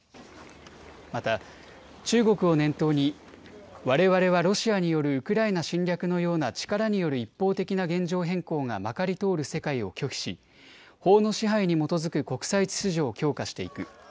また中国を念頭にわれわれはロシアによるウクライナ侵略のような力による一方的な現状変更がまかり通る世界を拒否し、法の支配に基づく国際秩序を強化していく。